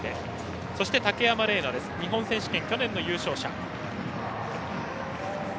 そして、武山玲奈日本選手権、去年の優勝者。